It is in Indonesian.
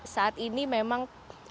saat ini memang